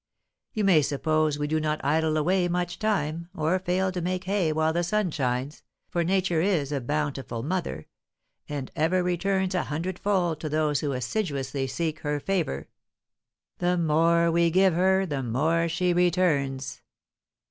You may suppose we do not idle away much time, or fail to make hay while the sun shines, for Nature is a bountiful mother, and ever returns a hundredfold to those who assiduously seek her favour; the more we give her, the more she returns."